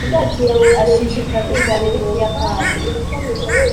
ashishikajwe cyane n'ikiyapani